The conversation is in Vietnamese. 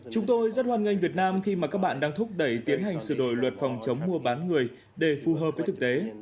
chúng tôi rất hoan nghênh việt nam khi mà các bạn đang thúc đẩy tiến hành sửa đổi luật phòng chống mua bán người để phù hợp với thực tế